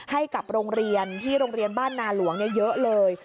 ให้กับโรงเรียนที่โรงเรียนบ้านนาหลวงเยอะเลย